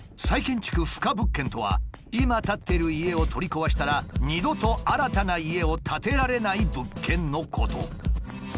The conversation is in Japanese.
「再建築不可物件」とは今立っている家を取り壊したら二度と新たな家を建てられない物件のこと。